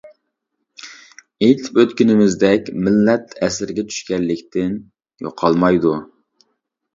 ئېيتىپ ئۆتكىنىمىزدەك، مىللەت ئەسىرگە چۈشكەنلىكتىن يوقالمايدۇ.